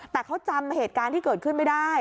แต่เขาจำเหตุการณ์ที่เกิดขึ้นไม่ได้